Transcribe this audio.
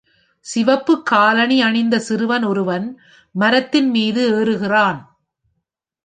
சிவப்பு காலணி அணிந்த சிறுவன் ஒருவன் மரத்தின் மீது ஏறுகிறான்.